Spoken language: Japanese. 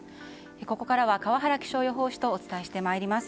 ここからは川原気象予報士とお伝えしてまいります。